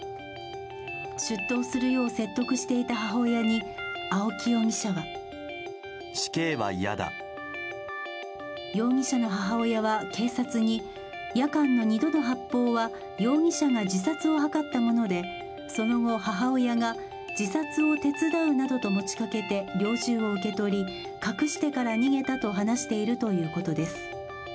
出頭するよう説得していた母親に青木容疑者は容疑者の母親は警察に夜間の２度の発砲は容疑者が自殺を図ったもので、その後、母親が自殺を手伝うなどと持ちかけて猟銃を受け取り隠してから逃げたと話しているということです。